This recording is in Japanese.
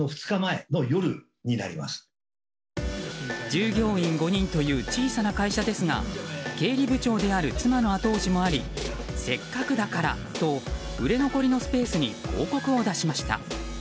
従業員５人という小さな会社ですが経理部長である妻の後押しもありせっかくだからと売れ残りのスペースに広告を出しました。